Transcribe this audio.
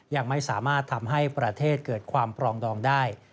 ยังไม่สามารถทำให้ประเทศเกิดความปรองดองได้